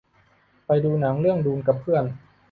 ไปดูหนังเรื่องดูนกับเพื่อน